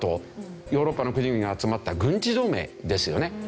ヨーロッパの国々が集まった軍事同盟ですよね。